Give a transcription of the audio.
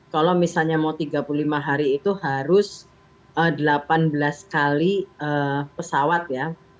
kalau misalnya mau tiga puluh lima hari itu harus delapan belas kali pesawat ya